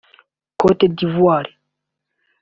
Cote d’Ivoir